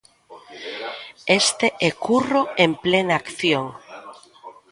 Este é Curro en plena acción.